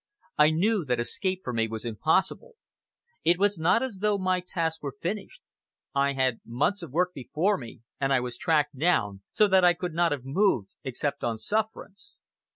I knew that escape for me was impossible. It was not as though my task were finished. I had months of work before me, and I was tracked down, so that I could not have moved except on sufferance.